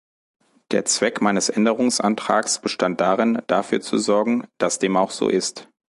Der Zweck meines Änderungsantrags bestand darin, dafür zu sorgen, dass dem auch so ist.